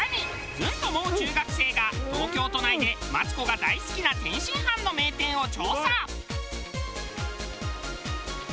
ずんともう中学生が東京都内でマツコが大好きな天津飯の名店を調査！